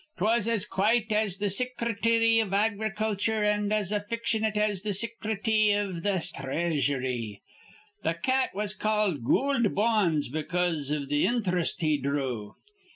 'Twas as quite as th' Sicrety iv Agriculture an' as affectionate as th' Sicrety iv th' Three asury. Th' cat was called Goold Bonds, because iv th' inthrest he dhrew.